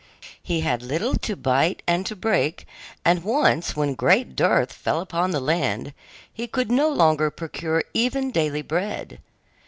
He had little to bite and to break, and once when great dearth fell on the land, he could no longer procure even daily bread.